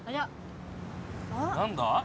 何だ？